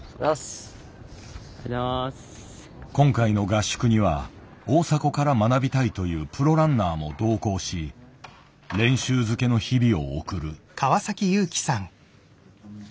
今回の合宿には大迫から学びたいというプロランナーも同行し練習漬けの日々を送る。